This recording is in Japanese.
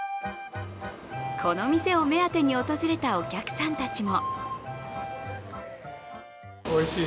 この店を目当てに訪れたお客さんたちも。